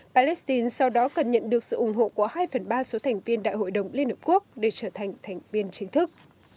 palestine sau đó cần nhận được sự ủng hộ của hai phần ba số thành viên đại hội đồng liên hợp quốc để trở thành thành viên chính thức